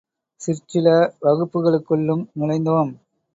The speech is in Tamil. சிற்சில வகுப்புகளுக்குள்ளும் நுழைந்தோம்.